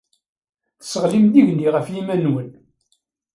Tesseɣlim-d igenni ɣef yiman-nwen.